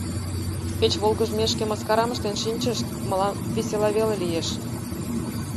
Кеч волгыжмешке мыскарам ыштен шинчышт, мылам весела веле лиеш»...